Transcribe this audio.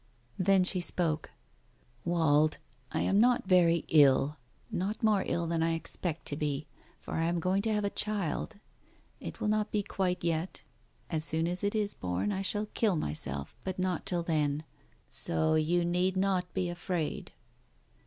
Then she spoke. "Wald, I am not very ill — not more ill than I expect to be. For I am going to have a child. It will not be quite yet. As soon as it is born, I shall kill myself, but not till then. So you need not be afraid."